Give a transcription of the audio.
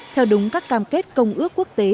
theo đúng các cam kết công ước quốc tế